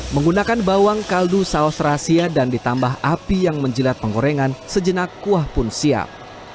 menggunakan bawang kaldu saus rahasia dan ditambah api yang menjelat penggorengan sejenak kuah pun siap